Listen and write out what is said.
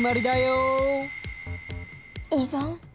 依存？